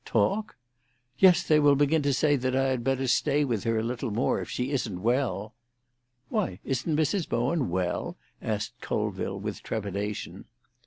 "Talk?" "Yes; they will begin to say that I had better stay with her a little more, if she isn't well." "Why, isn't Mrs. Bowen well?" asked Colville, with trepidation.